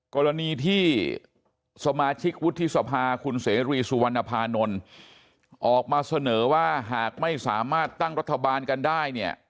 กรณีที่สมาชิกวุฒิสภาคุณเสรีสุวรรณภานนท์ออกมาเสนอว่าหากไม่สามารถตั้งรัฐบาลกันได้เนี่ย